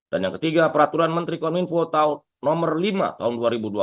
dan yang ketiga peraturan menteri kominfo nomor lima tahun dua ribu dua puluh